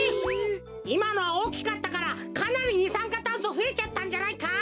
いまのはおおきかったからかなりにさんかたんそふえちゃったんじゃないか？